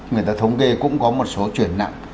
người ta thống kê cũng có một số chuyển nặng